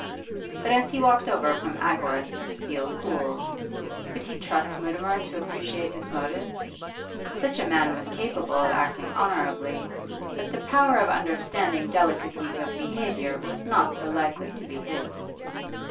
But as he walked over from Agworth this zeal cooled. Could he trust Mutimer to appreciate his motive? Such a man was capable of acting honourably, but the power of understanding delicacies of behaviour was not so likely to be his.